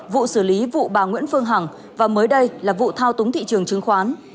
vụ xử lý vụ bà nguyễn phương hằng và mới đây là vụ thao túng thị trường chứng khoán